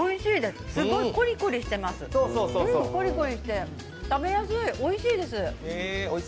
すごいコリコリしてて食べやすい、おいしいです。